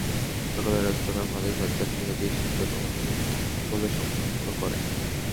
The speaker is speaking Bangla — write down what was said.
সকালে রেস্তোরাঁর মালিক সাজ্জাদ মেহেদী এসে তাঁদের কর্মচারী বলে শনাক্ত করেন।